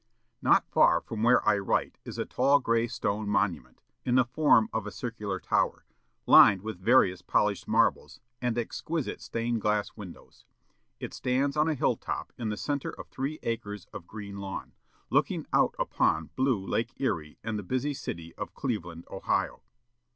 Not far from where I write is a tall gray stone monument, in the form of a circular tower, lined with various polished marbles, and exquisite stained glass windows. It stands on a hill top in the centre of three acres of green lawn, looking out upon blue Lake Erie and the busy city of Cleveland, Ohio.